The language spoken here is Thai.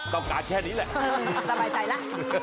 ต้องการแค่นี้แหละ